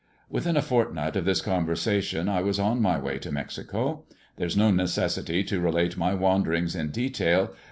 Within a fortnight of this conver^tion I was on my way to Mexico. There ia no necessity to relate my wanderings in detail.